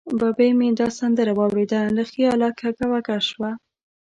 ببۍ مې دا سندره واورېده، له خیاله کږه وږه شوه.